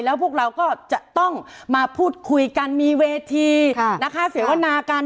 แล้วพวกเราก็จะต้องมาพูดคุยกันมีเวทีนะคะเสวนากัน